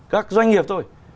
các doanh nghiệp thôi